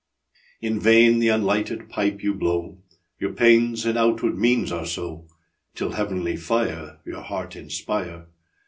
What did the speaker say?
In vain the unlighted pipe you blow, Your pains in outward means are so, Till heavenly fire Your heart inspire.